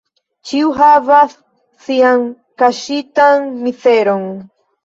Ĉiu havas sian kaŝitan mizeron.